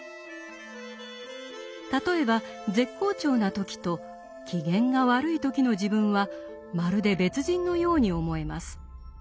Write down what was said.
例えば絶好調な時と機嫌が悪い時の自分はまるで別人のように思えます。